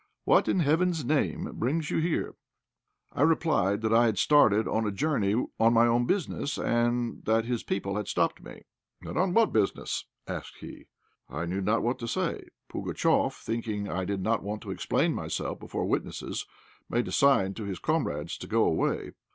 What in heaven's name brings you here?" I replied that I had started on a journey on my own business, and that his people had stopped me. "And on what business?" asked he. I knew not what to say. Pugatchéf, thinking I did not want to explain myself before witnesses, made a sign to his comrades to go away.